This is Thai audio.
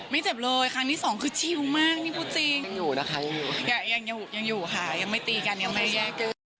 เจ็บเลยครั้งที่สองคือชิลมากนี่พูดจริงยังอยู่นะคะยังอยู่ค่ะยังไม่ตีกันยังไม่ได้แยกกัน